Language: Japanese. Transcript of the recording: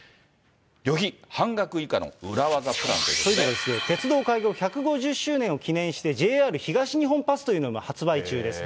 旅費半額以下の裏技プランという鉄道開業１５０周年を記念して、ＪＲ東日本パスというのが発売中です。